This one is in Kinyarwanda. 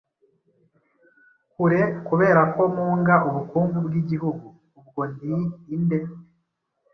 kure kubera ko munga ubukungu bw’igihugu. Ubwo ndi inde?